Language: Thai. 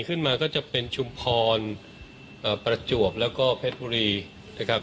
ขึ้นมาก็จะเป็นชุมพรประจวบแล้วก็เพชรบุรีนะครับ